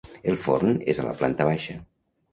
El forn és a la planta baixa.